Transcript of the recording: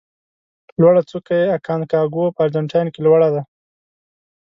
لوړه څوکه یې اکانکاګو په ارجنتاین کې لوړه ده.